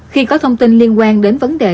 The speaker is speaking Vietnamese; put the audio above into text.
khi có thông tin liên quan đến vấn đề